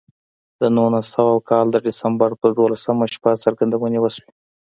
د نولس سوه کال د ډسمبر پر دولسمه شپه څرګندونې وشوې